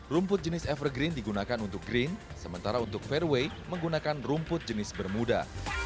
rumput jenis evergreen digunakan untuk green sementara untuk fairway menggunakan rumput jenis bermuda